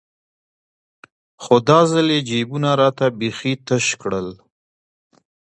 خو دا ځل يې جيبونه راته بيخي تش كړل.